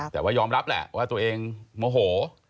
แต่ว่ายอมรับแหละว่าตัวเองโมโห